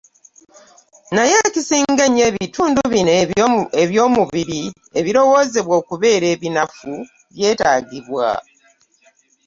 Naye, ekisinga ennyo, ebitundu bino eby'omubiri ebirowoozebwa okubeera ebinafu byetaagibwa.